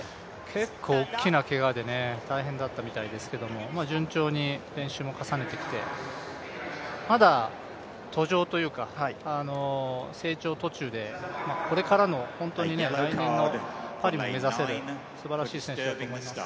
結構大きなけがで大変だったみたいですけど順調に練習も重ねてきてまだ途上というか、成長途中でこれからの本当に来年のパリを目指せるすばらしい選手だと思います。